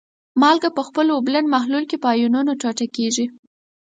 مالګې په خپل اوبلن محلول کې په آیونونو ټوټه کیږي.